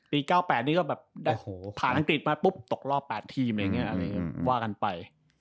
ปี๙๘นี่ก็แบบผ่านอังกฤษมาปุ๊บตกรอบ๘ทีมว่ากันไป